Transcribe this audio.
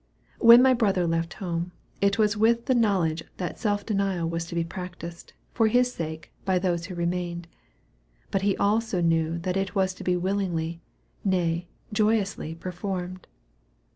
When my brother left home, it was with the knowledge that self denial was to be practised, for his sake, by those who remained; but he also knew that it was to be willingly, nay, joyously performed.